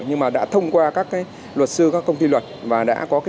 nhưng mà đã thông qua các cái luật sư các công ty luật và đã có cái cơ hội tiếp cận